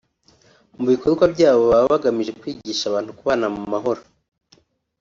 mu bikorwa byabo baba bagamije kwigisha abantu kubana mu mahoro